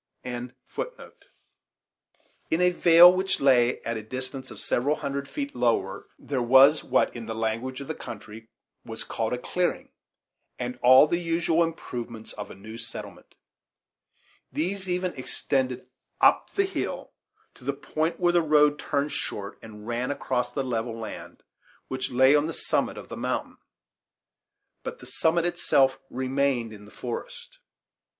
In the vale, which lay at a distance of several hundred feet lower, there was what, in the language of the country, was called a clearing, and all the usual improvements of a new settlement; these even extended up the hill to the point where the road turned short and ran across the level land, which lay on the summit of the mountain; but the summit itself remained in the forest.